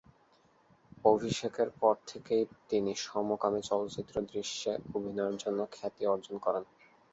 অভিষেকের পর থেকেই তিনি সমকামী চলচ্চিত্র দৃশ্যে অভিনয়ের জন্য খ্যাতি অর্জন করেন।